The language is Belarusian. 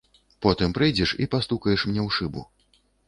Потым прыйдзеш і пастукаеш мне ў шыбу.